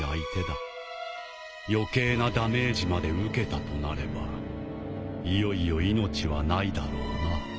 余計なダメージまで受けたとなればいよいよ命はないだろうな。